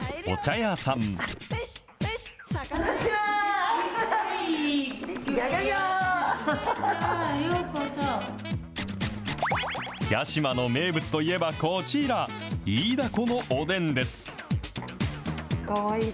屋島の名物といえば、こちら、イイダコのおでんです。